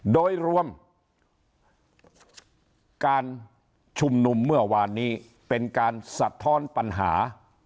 โดยรวมการชุมนุมเมื่อวานนี้เป็นการสะท้อนปัญหา